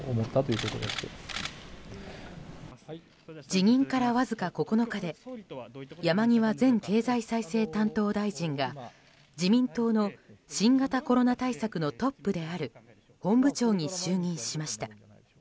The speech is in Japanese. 辞任から、わずか９日で山際前経済再生担当大臣が自民党の新型コロナ対策のトップである本部長に就任しました。